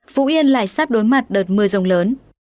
phú yên lại sát đối mặt đợt mưa rồng lớn